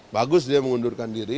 bagus dia mengundurkan diri